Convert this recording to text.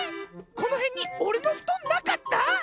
このへんにおれのふとんなかった？